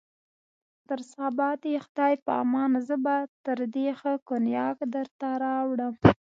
تر سبا د خدای په امان، زه به تر دې ښه کونیاک درته راوړم.